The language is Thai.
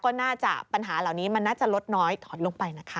ก็น่าจะปัญหาเหล่านี้มันน่าจะลดน้อยถอนลงไปนะคะ